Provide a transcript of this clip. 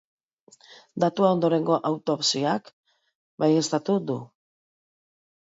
Datua ondorengo autopsiak baieztatu du.